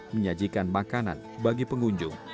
menyajikan makanan bagi pengunjung